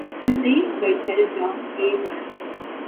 She was seized by Sheriff John A. Vann.